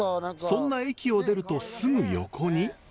そんな駅を出るとすぐ横に。